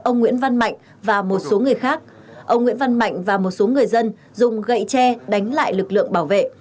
ông nguyễn văn mạnh và một số người khác ông nguyễn văn mạnh và một số người dân dùng gậy tre đánh lại lực lượng bảo vệ